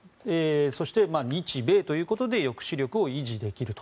そして日米ということで抑止力を維持できると。